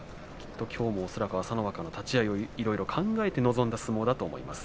きょうも恐らく朝乃若の立ち合いをいろいろ考えて臨んだ相撲だと思います。